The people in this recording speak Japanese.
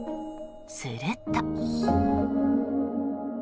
すると。